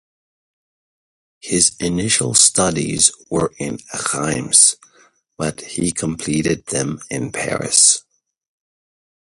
His initial studies were in Reims, but he completed them in Paris.